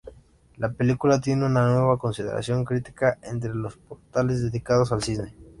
La película tiene una buena consideración crítica entre los portales dedicados al cine.